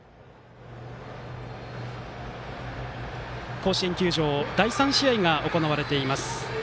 甲子園球場第３試合が行われています。